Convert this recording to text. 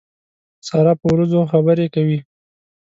سارا په وروځو خبرې کوي.